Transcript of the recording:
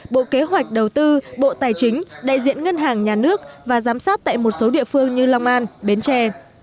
bộ kế hoạch đầu tư bộ tài chính đại diện ngân hàng nhà nước và giám sát tại một số địa phương như long an bến tre